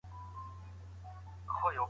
مطالعه د ژوند د پېچلتیاو حل لاره ده.